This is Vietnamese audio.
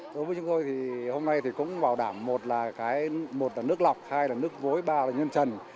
đối với chúng tôi thì hôm nay cũng bảo đảm một là nước lọc hai là nước gối ba là nhân trần